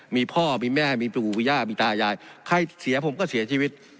มีพ่อมีแม่มีปู่มีย่ามีตายายใครเสียผมก็เสียชีวิต